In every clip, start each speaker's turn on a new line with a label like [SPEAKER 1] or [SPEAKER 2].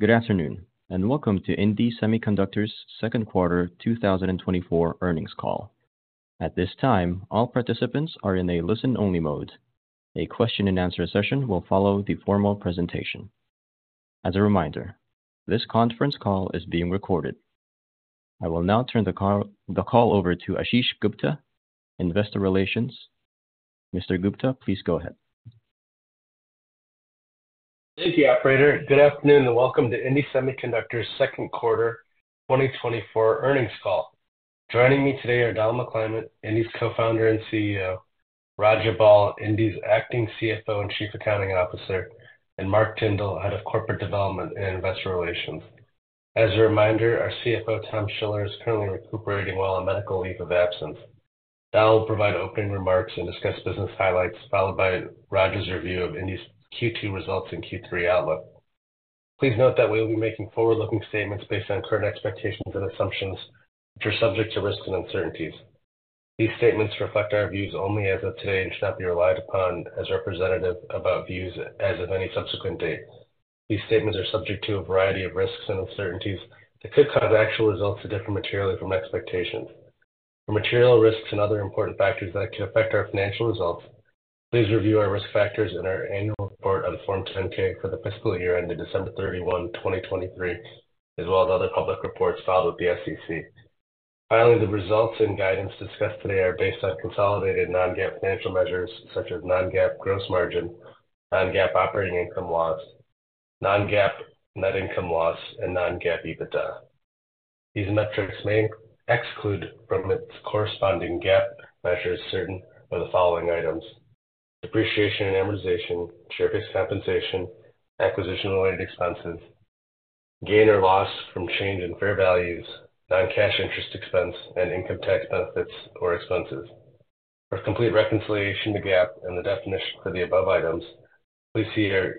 [SPEAKER 1] Good afternoon, and welcome to indie Semiconductor's second quarter 2024 earnings call. At this time, all participants are in a listen-only mode. A question-and-answer session will follow the formal presentation. As a reminder, this conference call is being recorded. I will now turn the call over to Ashish Gupta, Investor Relations. Mr. Gupta, please go ahead.
[SPEAKER 2] Thank you, operator. Good afternoon, and welcome to indie Semiconductor's second quarter 2024 earnings call. Joining me today are Donald McClymont, indie's Co-founder and CEO; Raja Bal, indie's Acting CFO and Chief Accounting Officer; and Mark Tyndall, Head of Corporate Development and Investor Relations. As a reminder, our CFO, Tom Schiller, is currently recuperating while on medical leave of absence. Donald will provide opening remarks and discuss business highlights, followed by Raja's review of indie's Q2 results and Q3 outlook. Please note that we will be making forward-looking statements based on current expectations and assumptions, which are subject to risks and uncertainties. These statements reflect our views only as of today and should not be relied upon as representative of our views as of any subsequent date. These statements are subject to a variety of risks and uncertainties that could cause actual results to differ materially from expectations. For material risks and other important factors that could affect our financial results, please review our risk factors in our annual report on Form 10-K for the fiscal year ended December 31, 2023, as well as other public reports filed with the SEC. Finally, the results and guidance discussed today are based on consolidated non-GAAP financial measures such as non-GAAP gross margin, non-GAAP operating income loss, non-GAAP net income loss, and non-GAAP EBITDA. These metrics may exclude from its corresponding GAAP measures certain of the following items: depreciation and amortization, share-based compensation, acquisition-related expenses, gain or loss from change in fair values, non-cash interest expense, and income tax benefits or expenses. For a complete reconciliation to GAAP and the definition for the above items, please see our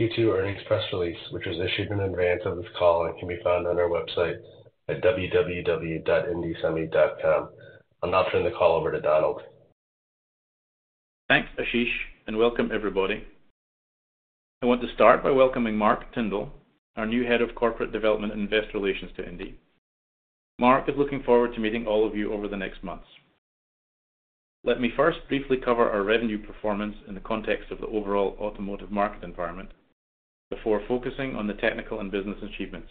[SPEAKER 2] Q2 earnings press release, which was issued in advance of this call and can be found on our website at www.indiesemi.com. I'll now turn the call over to Donald.
[SPEAKER 3] Thanks, Ashish, and welcome everybody. I want to start by welcoming Mark Tyndall, our new Head of Corporate Development and Investor Relations to Indie. Mark is looking forward to meeting all of you over the next months. Let me first briefly cover our revenue performance in the context of the overall automotive market environment, before focusing on the technical and business achievements.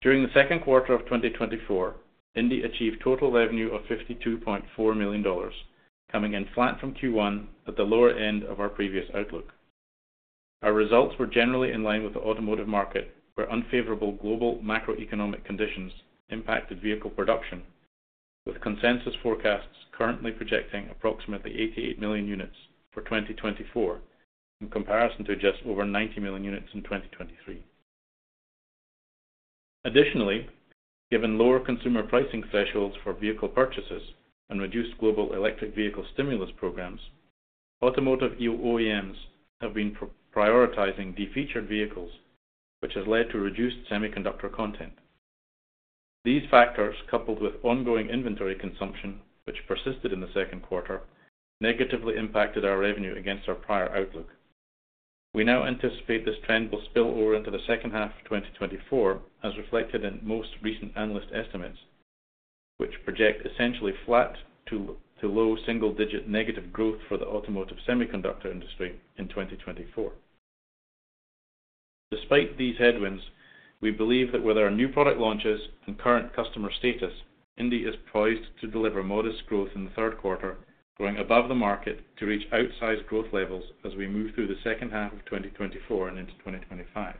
[SPEAKER 3] During the second quarter of 2024, Indie achieved total revenue of $52.4 million, coming in flat from Q1 at the lower end of our previous outlook. Our results were generally in line with the automotive market, where unfavorable global macroeconomic conditions impacted vehicle production, with consensus forecasts currently projecting approximately 88 million units for 2024, in comparison to just over 90 million units in 2023. Additionally, given lower consumer pricing thresholds for vehicle purchases and reduced global electric vehicle stimulus programs, automotive OEMs have been prioritizing defeatured vehicles, which has led to reduced semiconductor content. These factors, coupled with ongoing inventory consumption, which persisted in the second quarter, negatively impacted our revenue against our prior outlook. We now anticipate this trend will spill over into the second half of 2024, as reflected in most recent analyst estimates, which project essentially flat to low single-digit negative growth for the automotive semiconductor industry in 2024. Despite these headwinds, we believe that with our new product launches and current customer status, indie is poised to deliver modest growth in the third quarter, growing above the market to reach outsized growth levels as we move through the second half of 2024 and into 2025.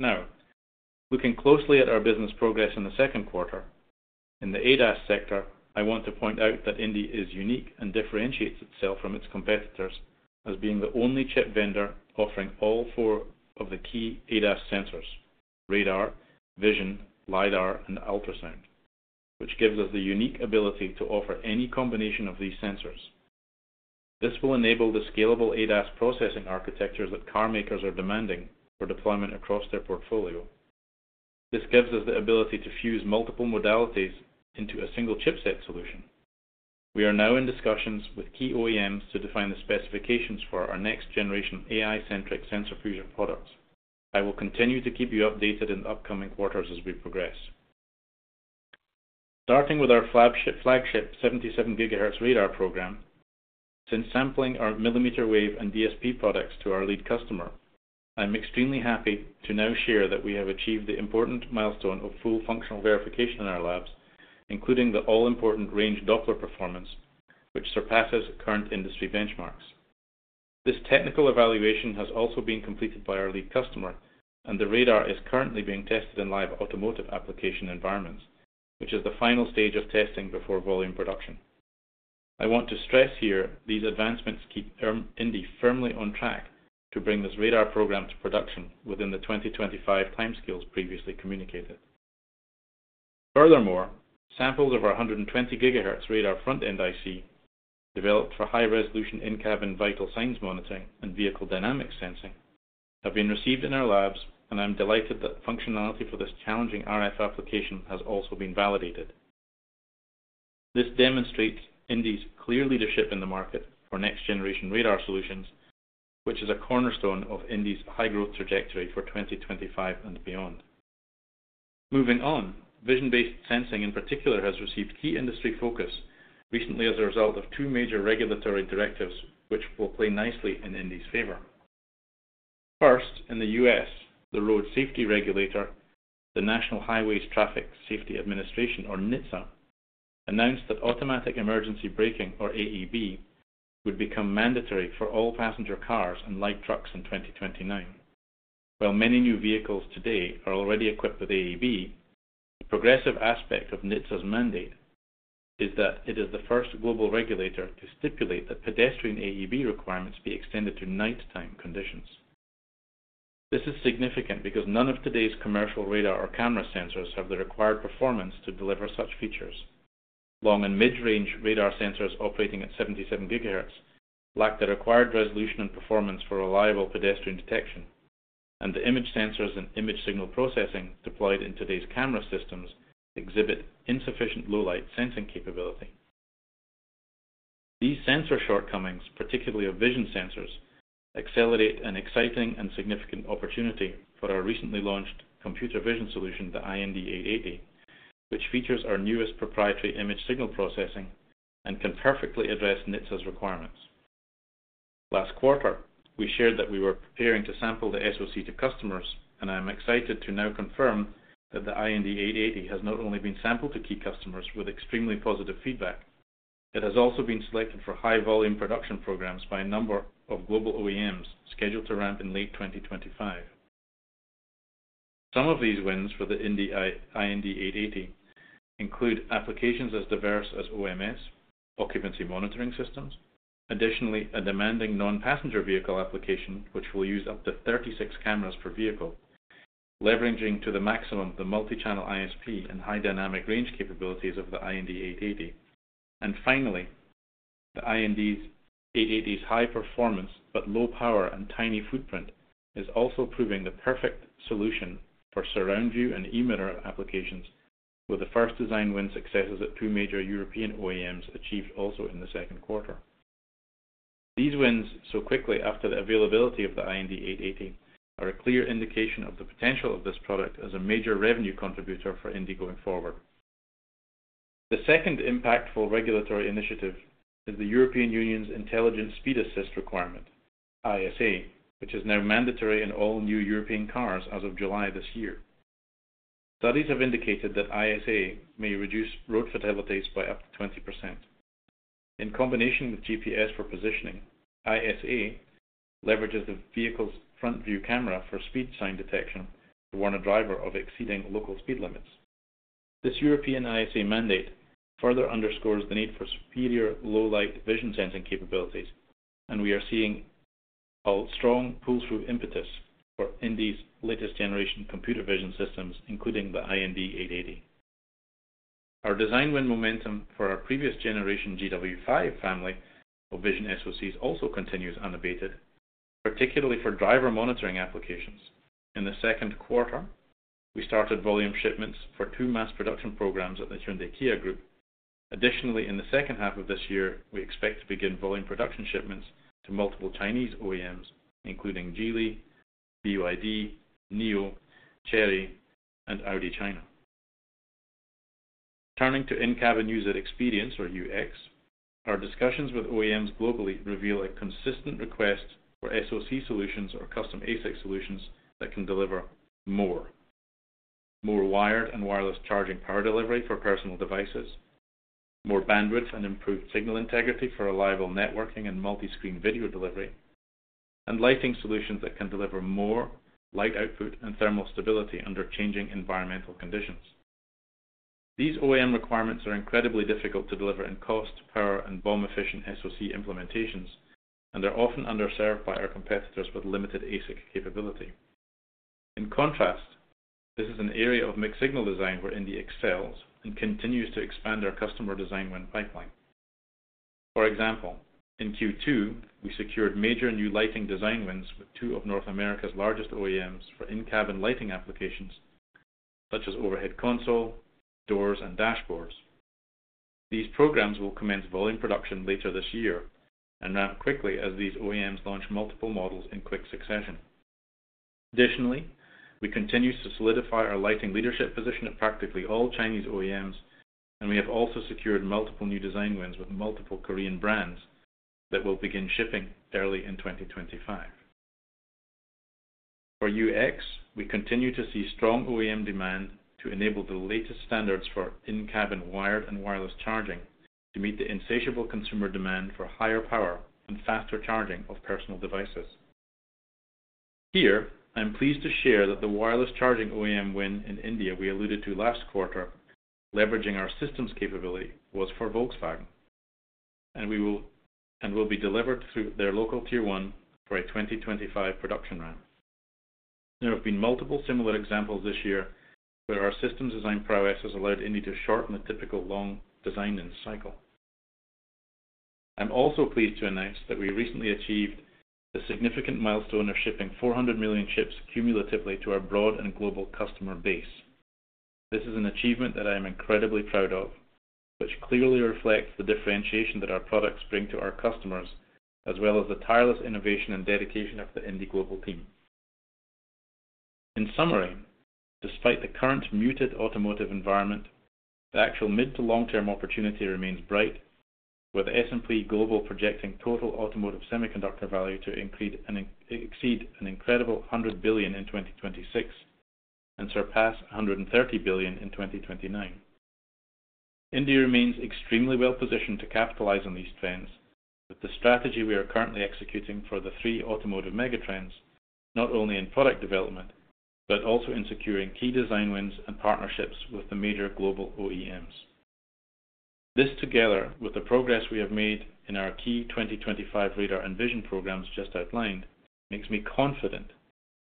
[SPEAKER 3] Now, looking closely at our business progress in the second quarter, in the ADAS sector, I want to point out that Indie is unique and differentiates itself from its competitors as being the only chip vendor offering all four of the key ADAS sensors: radar, vision, LiDAR, and ultrasound, which gives us the unique ability to offer any combination of these sensors. This will enable the scalable ADAS processing architectures that car makers are demanding for deployment across their portfolio. This gives us the ability to fuse multiple modalities into a single chipset solution. We are now in discussions with key OEMs to define the specifications for our next generation AI-centric sensor fusion products. I will continue to keep you updated in the upcoming quarters as we progress. Starting with our flagship 77 GHz radar program, since sampling our millimeter wave and DSP products to our lead customer, I'm extremely happy to now share that we have achieved the important milestone of full functional verification in our labs, including the all-important range Doppler performance, which surpasses current industry benchmarks. This technical evaluation has also been completed by our lead customer, and the radar is currently being tested in live automotive application environments, which is the final stage of testing before volume production. I want to stress here, these advancements keep Indie firmly on track to bring this radar program to production within the 2025 timescales previously communicated. Furthermore, samples of our 120 GHz radar front-end IC, developed for high-resolution in-cabin vital signs monitoring and vehicle dynamic sensing, have been received in our labs, and I'm delighted that functionality for this challenging RF application has also been validated.... This demonstrates Indie's clear leadership in the market for next generation radar solutions, which is a cornerstone of Indie's high growth trajectory for 2025 and beyond. Moving on, vision-based sensing, in particular, has received key industry focus recently as a result of two major regulatory directives, which will play nicely in Indie's favor. First, in the U.S., the road safety regulator, the National Highway Traffic Safety Administration, or NHTSA, announced that automatic emergency braking, or AEB, would become mandatory for all passenger cars and light trucks in 2029. While many new vehicles today are already equipped with AEB, the progressive aspect of NHTSA's mandate is that it is the first global regulator to stipulate that pedestrian AEB requirements be extended to nighttime conditions. This is significant because none of today's commercial radar or camera sensors have the required performance to deliver such features. Long and mid-range radar sensors operating at 77 GHz lack the required resolution and performance for reliable pedestrian detection, and the image sensors and image signal processing deployed in today's camera systems exhibit insufficient low light sensing capability. These sensor shortcomings, particularly of vision sensors, accelerate an exciting and significant opportunity for our recently launched computer vision solution, the iND880, which features our newest proprietary image signal processing and can perfectly address NHTSA's requirements. Last quarter, we shared that we were preparing to sample the SoC to customers, and I am excited to now confirm that the iND880 has not only been sampled to key customers with extremely positive feedback, it has also been selected for high volume production programs by a number of global OEMs, scheduled to ramp in late 2025. Some of these wins for the iND880 include applications as diverse as OMS, occupancy monitoring systems. Additionally, a demanding non-passenger vehicle application, which will use up to 36 cameras per vehicle, leveraging to the maximum the multi-channel ISP and high dynamic range capabilities of the iND880. And finally, the iND880's high performance, but low power and tiny footprint, is also proving the perfect solution for surround view and eMirror applications, with the first design win successes at two major European OEMs, achieved also in the second quarter. These wins, so quickly after the availability of the iND880, are a clear indication of the potential of this product as a major revenue contributor for indie going forward. The second impactful regulatory initiative is the European Union's Intelligent Speed Assist requirement, ISA, which is now mandatory in all new European cars as of July this year. Studies have indicated that ISA may reduce road fatalities by up to 20%. In combination with GPS for positioning, ISA leverages the vehicle's front view camera for speed sign detection to warn a driver of exceeding local speed limits. This European ISA mandate further underscores the need for superior low-light vision sensing capabilities, and we are seeing a strong pull-through impetus for indie's latest generation computer vision systems, including the iND880. Our design win momentum for our previous generation GW5 family of vision SoCs also continues unabated, particularly for driver monitoring applications. In the second quarter, we started volume shipments for two mass production programs at the Hyundai Kia Group. Additionally, in the second half of this year, we expect to begin volume production shipments to multiple Chinese OEMs, including Geely, BYD, NIO, Chery, and Audi China. Turning to in-cabin user experience, or UX, our discussions with OEMs globally reveal a consistent request for SoC solutions or custom ASIC solutions that can deliver more. More wired and wireless charging power delivery for personal devices, more bandwidth and improved signal integrity for reliable networking and multi-screen video delivery, and lighting solutions that can deliver more light output and thermal stability under changing environmental conditions. These OEM requirements are incredibly difficult to deliver in cost, power, and BOM efficient SoC implementations, and they're often underserved by our competitors with limited ASIC capability. In contrast, this is an area of mixed signal design where indie excels and continues to expand our customer design win pipeline. For example, in Q2, we secured major new lighting design wins with two of North America's largest OEMs for in-cabin lighting applications, such as overhead console, doors, and dashboards. These programs will commence volume production later this year and ramp quickly as these OEMs launch multiple models in quick succession. Additionally, we continue to solidify our lighting leadership position at practically all Chinese OEMs, and we have also secured multiple new design wins with multiple Korean brands that will begin shipping early in 2025. For UX, we continue to see strong OEM demand to enable the latest standards for in-cabin wired and wireless charging, to meet the insatiable consumer demand for higher power and faster charging of personal devices. Here, I am pleased to share that the wireless charging OEM win in India we alluded to last quarter, leveraging our systems capability, was for Volkswagen, and we will be delivered through their local tier one for a 2025 production round. There have been multiple similar examples this year where our systems design prowess has allowed Indie to shorten the typical long design end cycle.... I'm also pleased to announce that we recently achieved the significant milestone of shipping 400 million chips cumulatively to our broad and global customer base. This is an achievement that I am incredibly proud of, which clearly reflects the differentiation that our products bring to our customers, as well as the tireless innovation and dedication of the Indie Global team. In summary, despite the current muted automotive environment, the actual mid to long-term opportunity remains bright, with S&P Global projecting total automotive semiconductor value to increase and exceed an incredible $100 billion in 2026, and surpass $130 billion in 2029. Indie remains extremely well-positioned to capitalize on these trends, with the strategy we are currently executing for the three automotive megatrends, not only in product development, but also in securing key design wins and partnerships with the major global OEMs. This, together with the progress we have made in our key 2025 radar and vision programs just outlined, makes me confident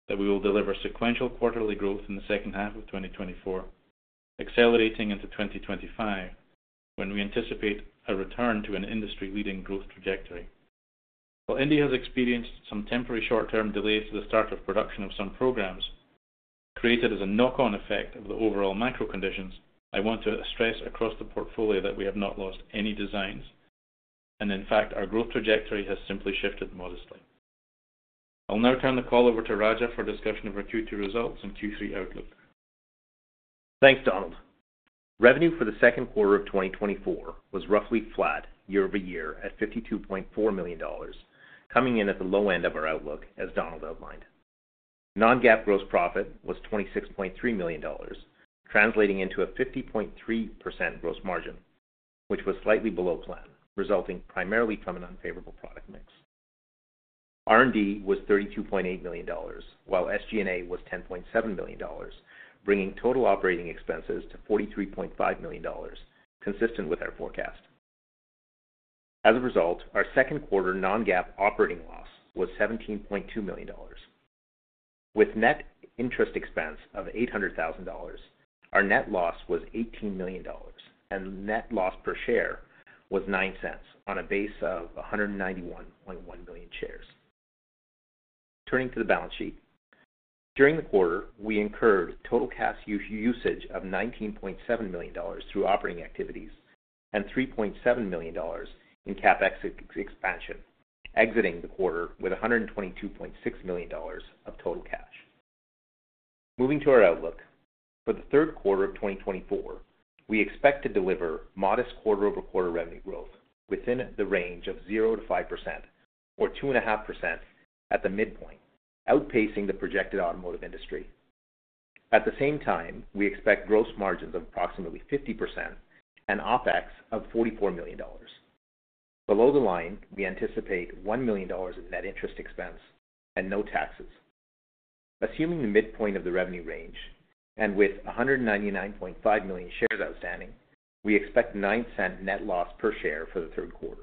[SPEAKER 3] that we will deliver sequential quarterly growth in the second half of 2024, accelerating into 2025, when we anticipate a return to an industry-leading growth trajectory. While indie has experienced some temporary short-term delays to the start of production of some programs, created as a knock-on effect of the overall macro conditions, I want to stress across the portfolio that we have not lost any designs, and in fact, our growth trajectory has simply shifted modestly. I'll now turn the call over to Raja for a discussion of our Q2 results and Q3 outlook.
[SPEAKER 4] Thanks, Donald. Revenue for the second quarter of 2024 was roughly flat year-over-year, at $52.4 million, coming in at the low end of our outlook, as Donald outlined. Non-GAAP gross profit was $26.3 million, translating into a 50.3% gross margin, which was slightly below plan, resulting primarily from an unfavorable product mix. R&D was $32.8 million, while SG&A was $10.7 million, bringing total operating expenses to $43.5 million, consistent with our forecast. As a result, our second quarter non-GAAP operating loss was $17.2 million. With net interest expense of $800,000, our net loss was $18 million, and net loss per share was $0.09 on a base of 191.1 million shares. Turning to the balance sheet. During the quarter, we incurred total cash usage of $19.7 million through operating activities and $3.7 million in CapEx expansion, exiting the quarter with $122.6 million of total cash. Moving to our outlook. For the third quarter of 2024, we expect to deliver modest quarter-over-quarter revenue growth within the range of 0%-5% or 2.5% at the midpoint, outpacing the projected automotive industry. At the same time, we expect gross margins of approximately 50% and OpEx of $44 million. Below the line, we anticipate $1 million in net interest expense and no taxes. Assuming the midpoint of the revenue range and with 199.5 million shares outstanding, we expect $0.09 net loss per share for the third quarter.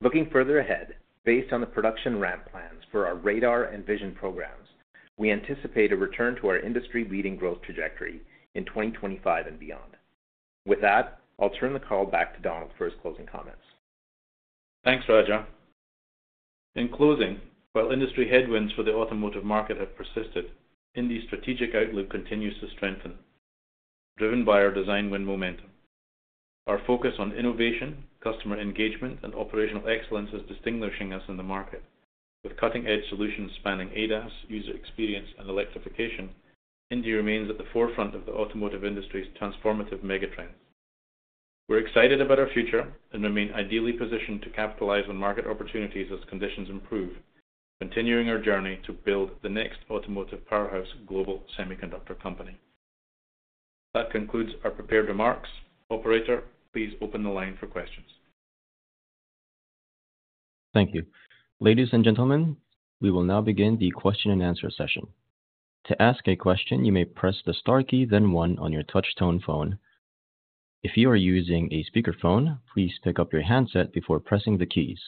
[SPEAKER 4] Looking further ahead, based on the production ramp plans for our radar and vision programs, we anticipate a return to our industry-leading growth trajectory in 2025 and beyond. With that, I'll turn the call back to Donald for his closing comments.
[SPEAKER 3] Thanks, Raja. In closing, while industry headwinds for the automotive market have persisted, indie's strategic outlook continues to strengthen, driven by our design win momentum. Our focus on innovation, customer engagement, and operational excellence is distinguishing us in the market. With cutting-edge solutions spanning ADAS, user experience, and electrification, indie remains at the forefront of the automotive industry's transformative megatrends. We're excited about our future and remain ideally positioned to capitalize on market opportunities as conditions improve, continuing our journey to build the next automotive powerhouse global semiconductor company. That concludes our prepared remarks. Operator, please open the line for questions.
[SPEAKER 1] Thank you. Ladies and gentlemen, we will now begin the question-and-answer session. To ask a question, you may press the star key, then one on your touch tone phone. If you are using a speakerphone, please pick up your handset before pressing the keys.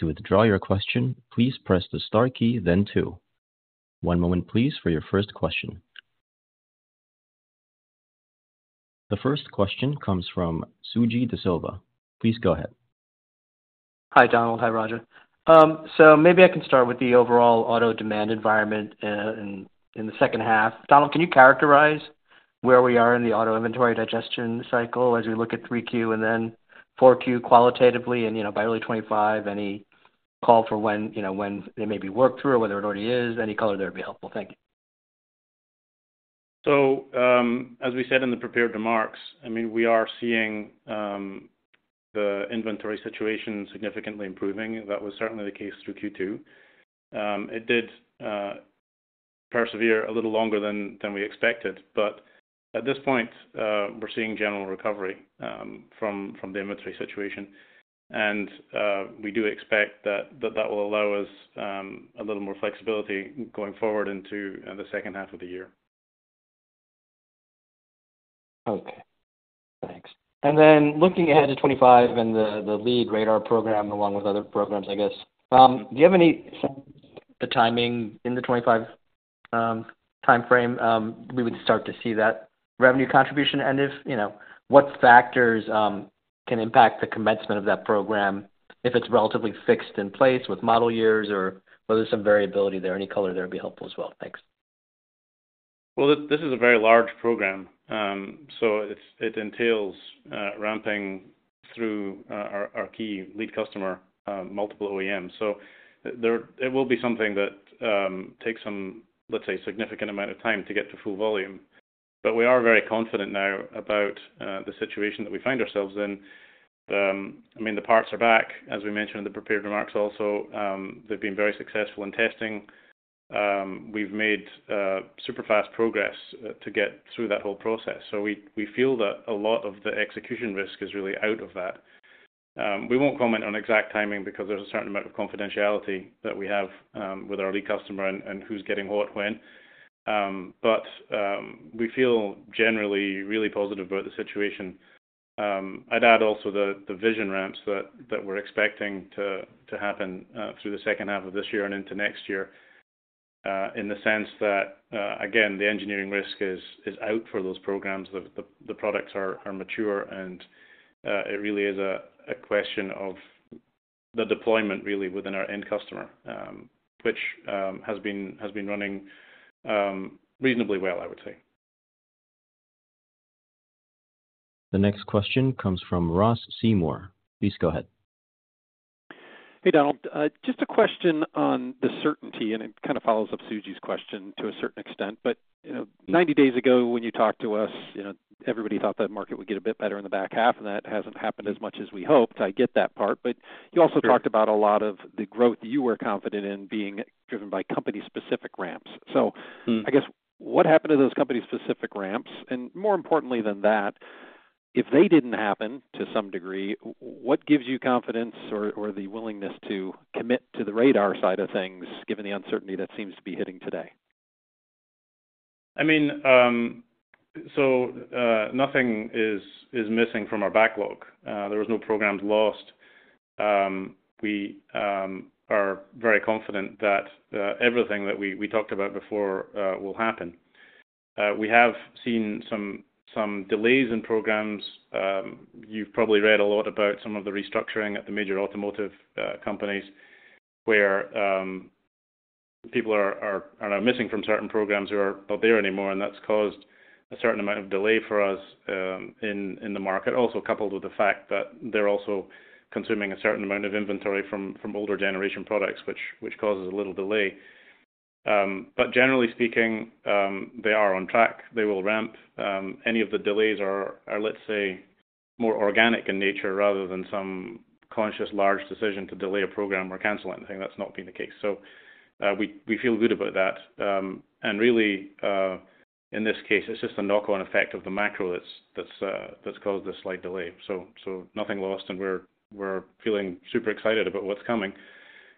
[SPEAKER 1] To withdraw your question, please press the star key, then two. One moment please, for your first question. The first question comes from Suji Desilva. Please go ahead.
[SPEAKER 5] Hi, Donald. Hi, Raja. So maybe I can start with the overall auto demand environment in the second half. Donald, can you characterize where we are in the auto inventory digestion cycle as we look at 3Q and then 4Q qualitatively and, you know, by early 2025, any call for when, you know, when it may be worked through or whether it already is? Any color there would be helpful. Thank you.
[SPEAKER 3] So, as we said in the prepared remarks, I mean, we are seeing the inventory situation significantly improving. That was certainly the case through Q2. It did persevere a little longer than we expected, but at this point, we're seeing general recovery from the inventory situation. And we do expect that will allow us a little more flexibility going forward into the second half of the year.
[SPEAKER 5] Okay, thanks. And then looking ahead to 2025 and the lead radar program, along with other programs, I guess, do you have any sense of the timing in the 25 timeframe, we would start to see that revenue contribution, and if, you know, what factors can impact the commencement of that program, if it's relatively fixed in place with model years, or whether there's some variability there. Any color there would be helpful as well. Thanks.
[SPEAKER 3] Well, this is a very large program, so it entails ramping through our key lead customer, multiple OEMs. So there it will be something that takes some, let's say, significant amount of time to get to full volume. But we are very confident now about the situation that we find ourselves in. I mean, the parts are back, as we mentioned in the prepared remarks also. They've been very successful in testing. We've made super fast progress to get through that whole process. So we feel that a lot of the execution risk is really out of that. We won't comment on exact timing because there's a certain amount of confidentiality that we have with our lead customer and who's getting what, when. But, we feel generally really positive about the situation. I'd add also the vision ramps that we're expecting to happen through the second half of this year and into next year, in the sense that, again, the engineering risk is out for those programs. The products are mature, and it really is a question of the deployment, really, within our end customer, which has been running reasonably well, I would say.
[SPEAKER 1] The next question comes from Ross Seymore. Please go ahead.
[SPEAKER 6] Hey, Donald. Just a question on the certainty, and it kind of follows up Suji's question to a certain extent. But, you know, 90 days ago, when you talked to us, you know, everybody thought that market would get a bit better in the back half, and that hasn't happened as much as we hoped. I get that part. But-
[SPEAKER 3] Sure.
[SPEAKER 6] You also talked about a lot of the growth you were confident in being driven by company-specific ramps.
[SPEAKER 3] Mm-hmm.
[SPEAKER 6] So I guess, what happened to those company-specific ramps? And more importantly than that, if they didn't happen to some degree, what gives you confidence or the willingness to commit to the radar side of things, given the uncertainty that seems to be hitting today?
[SPEAKER 3] I mean, so, nothing is missing from our backlog. There was no programs lost. We are very confident that everything that we talked about before will happen. We have seen some delays in programs. You've probably read a lot about some of the restructuring at the major automotive companies, where people are missing from certain programs who are not there anymore, and that's caused a certain amount of delay for us in the market. Also, coupled with the fact that they're also consuming a certain amount of inventory from older generation products, which causes a little delay. But generally speaking, they are on track. They will ramp. Any of the delays are, let's say, more organic in nature rather than some conscious, large decision to delay a program or cancel anything. That's not been the case. So, we feel good about that. And really, in this case, it's just a knock-on effect of the macro that's caused a slight delay. So, nothing lost, and we're feeling super excited about what's coming.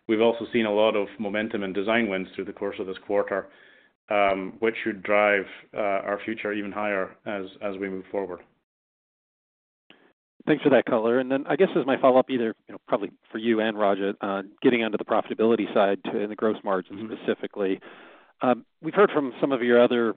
[SPEAKER 3] We've also seen a lot of momentum and design wins through the course of this quarter, which should drive our future even higher as we move forward.
[SPEAKER 6] Thanks for that color. Then I guess as my follow-up, you know, probably for you and Raja, getting onto the profitability side, to, and the gross margin-
[SPEAKER 3] Mm-hmm...
[SPEAKER 6] specifically. We've heard from some of your other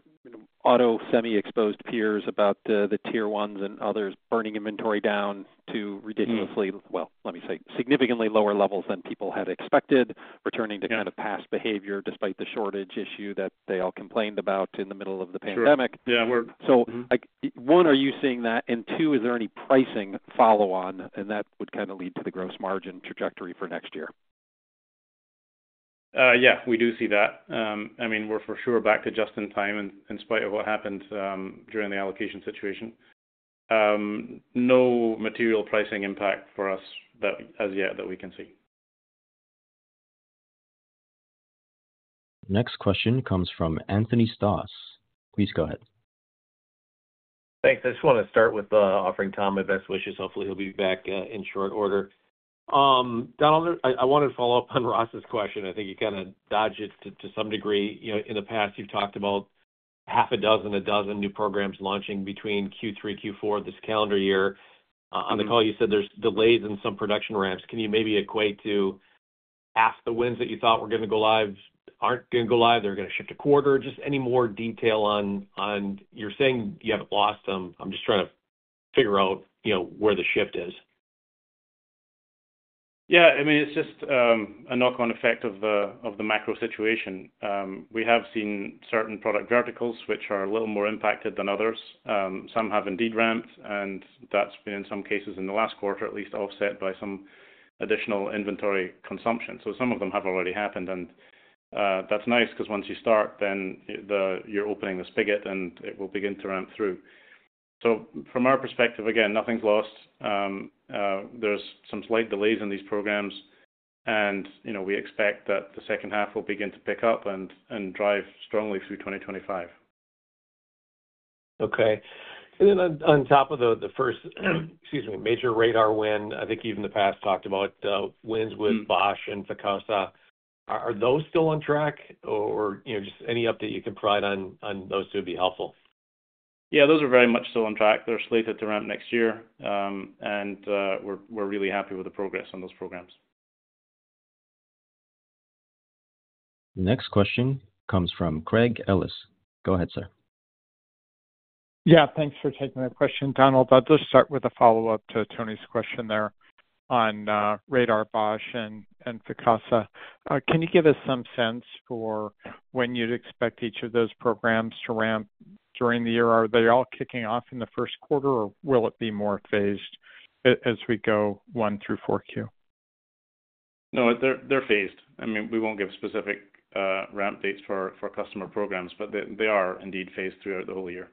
[SPEAKER 6] auto semi-exposed peers about the tier ones and others burning inventory down to-
[SPEAKER 3] Mm-hmm...
[SPEAKER 6] ridiculously, well, let me say, significantly lower levels than people had expected, returning to-
[SPEAKER 3] Yeah...
[SPEAKER 6] kind of past behavior, despite the shortage issue that they all complained about in the middle of the pandemic.
[SPEAKER 3] Sure. Yeah, mm-hmm.
[SPEAKER 6] So, like, one, are you seeing that? And two, is there any pricing follow-on, and that would kind of lead to the gross margin trajectory for next year?
[SPEAKER 3] Yeah, we do see that. I mean, we're for sure back to just-in-time, and in spite of what happened during the allocation situation. No material pricing impact for us that, as yet, that we can see.
[SPEAKER 1] Next question comes from Anthony Stoss. Please go ahead.
[SPEAKER 7] Thanks. I just wanna start with offering Tom my best wishes. Hopefully, he'll be back in short order. Donald, I wanted to follow up on Ross's question. I think you kinda dodged it to some degree. You know, in the past, you've talked about half a dozen, a dozen new programs launching between Q3, Q4 this calendar year.
[SPEAKER 3] Mm-hmm.
[SPEAKER 7] On the call, you said there's delays in some production ramps. Can you maybe equate to half the wins that you thought were gonna go live, aren't gonna go live, they're gonna shift a quarter? Just any more detail on, on... You're saying you haven't lost them. I'm just trying to figure out, you know, where the shift is?
[SPEAKER 3] Yeah, I mean, it's just a knock-on effect of the macro situation. We have seen certain product verticals, which are a little more impacted than others. Some have indeed ramped, and that's been, in some cases, in the last quarter, at least offset by some additional inventory consumption. So some of them have already happened, and that's nice because once you start, then you're opening the spigot, and it will begin to ramp through. So from our perspective, again, nothing's lost. There's some slight delays in these programs, and, you know, we expect that the second half will begin to pick up and drive strongly through 2025.
[SPEAKER 7] Okay. And then on top of the first, excuse me, major radar win, I think you, in the past, talked about wins with-
[SPEAKER 3] Mm-hmm...
[SPEAKER 7] Bosch and Ficosa. Are those still on track? Or, you know, just any update you can provide on those two would be helpful. ...
[SPEAKER 3] Yeah, those are very much still on track. They're slated to ramp next year, and we're really happy with the progress on those programs.
[SPEAKER 1] Next question comes from Craig Ellis. Go ahead, sir.
[SPEAKER 8] Yeah, thanks for taking my question, Donald. I'll just start with a follow-up to Tony's question there on radar, Bosch, and Ficosa. Can you give us some sense for when you'd expect each of those programs to ramp during the year? Are they all kicking off in the first quarter, or will it be more phased as we go one through 4Q?
[SPEAKER 3] No, they're phased. I mean, we won't give specific ramp dates for customer programs, but they are indeed phased throughout the whole year.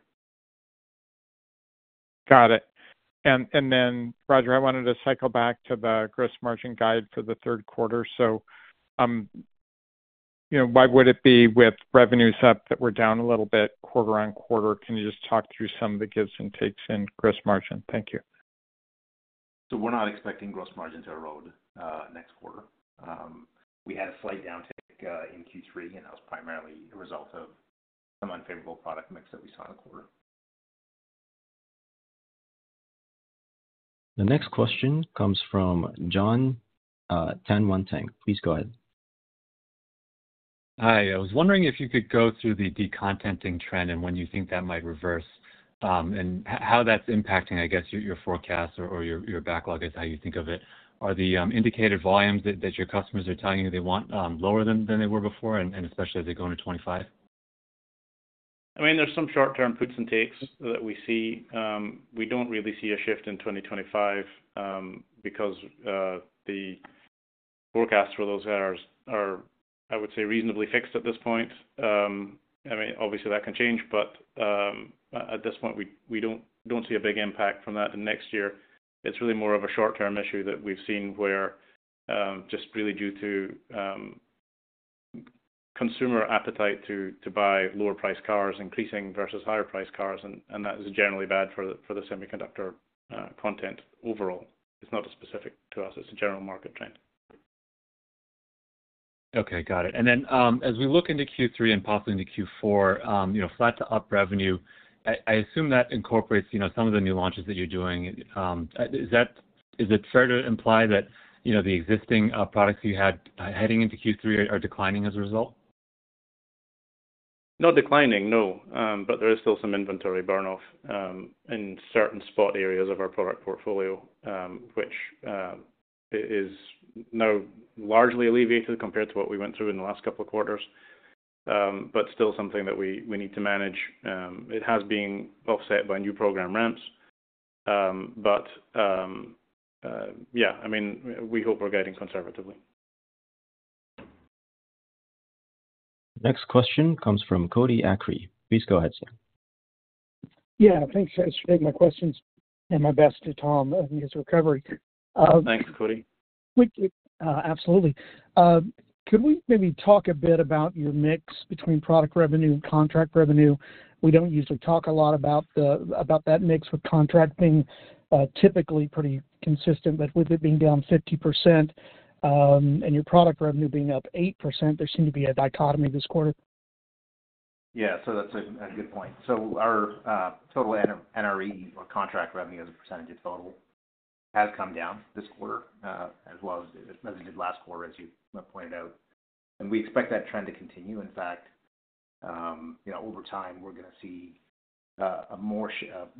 [SPEAKER 8] Got it. Then, Raja, I wanted to cycle back to the gross margin guide for the third quarter. So, you know, why would it be with revenues up that were down a little bit quarter-on-quarter? Can you just talk through some of the gives and takes in gross margin? Thank you.
[SPEAKER 4] We're not expecting gross margin to erode next quarter. We had a slight downtick in Q3, and that was primarily a result of some unfavorable product mix that we saw in the quarter.
[SPEAKER 1] The next question comes from Jon Tanwanteng. Please go ahead.
[SPEAKER 9] Hi, I was wondering if you could go through the decontenting trend and when you think that might reverse, and how that's impacting, I guess, your forecast or your backlog, is how you think of it. Are the indicated volumes that your customers are telling you they want lower than they were before, and especially as they go into 25?
[SPEAKER 3] I mean, there's some short-term puts and takes that we see. We don't really see a shift in 2025, because the forecast for those are reasonably fixed at this point. I mean, obviously that can change, but at this point, we don't see a big impact from that in the next year. It's really more of a short-term issue that we've seen where just really due to consumer appetite to buy lower priced cars increasing versus higher priced cars, and that is generally bad for the semiconductor content overall. It's not specific to us; it's a general market trend.
[SPEAKER 9] Okay, got it. And then, as we look into Q3 and possibly into Q4, you know, flat to up revenue, I, I assume that incorporates, you know, some of the new launches that you're doing. Is that, is it fair to imply that, you know, the existing products you had heading into Q3 are declining as a result?
[SPEAKER 3] Not declining, no. But there is still some inventory burn-off in certain spot areas of our product portfolio, which is now largely alleviated compared to what we went through in the last couple of quarters, but still something that we need to manage. It has been offset by new program ramps. But yeah, I mean, we hope we're guiding conservatively.
[SPEAKER 1] Next question comes from Cody Acree. Please go ahead, sir.
[SPEAKER 10] Yeah, thanks, guys, for taking my questions, and my best to Tom and his recovery.
[SPEAKER 3] Thanks, Cody.
[SPEAKER 10] Absolutely. Could we maybe talk a bit about your mix between product revenue and contract revenue? We don't usually talk a lot about that mix, with contract being typically pretty consistent, but with it being down 50%, and your product revenue being up 8%, there seemed to be a dichotomy this quarter.
[SPEAKER 4] Yeah, so that's a good point. So our total NRE or contract revenue as a percentage of total has come down this quarter, as well as it did last quarter, as you pointed out, and we expect that trend to continue. In fact, you know, over time, we're gonna see a more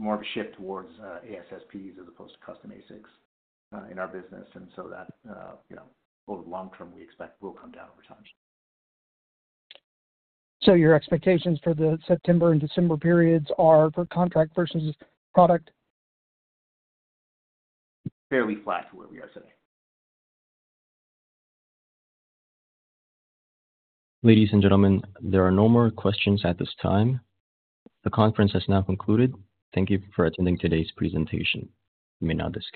[SPEAKER 4] of a shift towards ASSPs as opposed to custom ASICs in our business. And so that, you know, over the long term, we expect will come down over time.
[SPEAKER 10] So your expectations for the September and December periods are for contract versus product?
[SPEAKER 4] Fairly flat to where we are today.
[SPEAKER 1] Ladies and gentlemen, there are no more questions at this time. The conference has now concluded. Thank you for attending today's presentation. You may now disconnect.